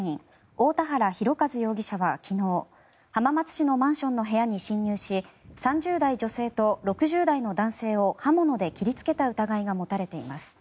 大田原広和容疑者は昨日浜松市のマンションの部屋に侵入し３０代女性と６０代の男性を刃物で切りつけた疑いが持たれています。